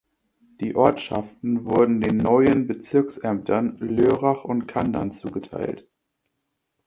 Die Ortschaften wurden den neuen Bezirksämtern Lörrach und Kandern zugeteilt.